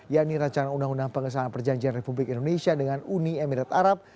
yakni rancangan undang undang pengesahan perjanjian republik indonesia dengan uni emirat arab